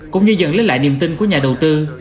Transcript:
cũng như dần lấy lại niềm tin của nhà đầu tư